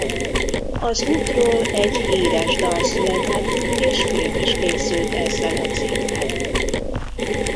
Az útról egy híres dal született és film is készült ezzel a címmel.